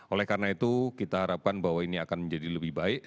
oleh karena itu kita harapkan bahwa ini akan menjadi lebih baik